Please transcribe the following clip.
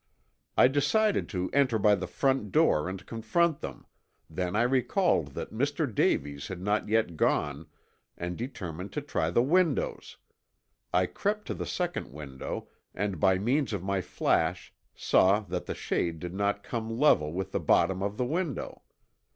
"I decided to enter by the front door and confront them, then I recalled that Mr. Davies had not yet gone, and determined to try the windows. I crept to the second window and by means of my flash saw that the shade did not come level with the bottom of the window.